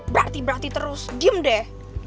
berarti berarti terus diem deh